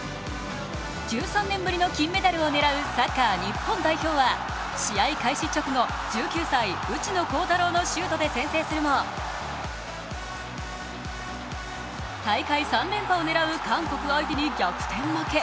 １３年ぶりの金メダルを狙うサッカー日本代表は試合開始直後、１９歳、内野航太郎のシュートで先制するも、大会３連覇を狙う韓国相手に逆転負け。